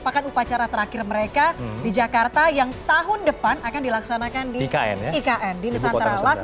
apakah upacara terakhir mereka di jakarta yang tahun depan akan dilaksanakan di ikn di nusantara